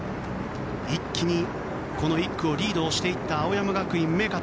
一気にこの１区をリードしていた青山学院、目片。